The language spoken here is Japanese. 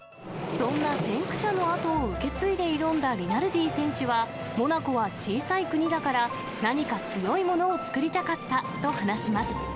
そんな先駆者の後を受け継いで挑んだリナルディ選手は、モナコは小さい国だから、何か強いものを作りたかったと話します。